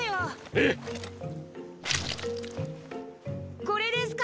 え⁉これですか？